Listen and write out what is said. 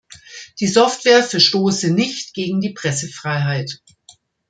Die Software verstoße nicht gegen die Pressefreiheit.